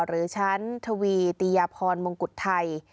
หรือชั้นทวีติยพรมงกุฎไทย